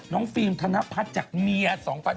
ฟิล์มธนพัฒน์จากเมีย๒๐๑๘